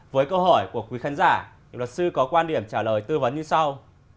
với câu hỏi của quý khán giả luật sư có quan điểm trả lời tư vấn như sau